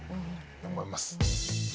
思います。